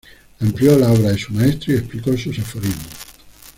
Amplió la obra de su maestro y explicó sus aforismos.